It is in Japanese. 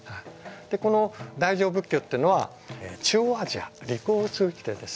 この大乗仏教っていうのは中央アジア陸を通じてですね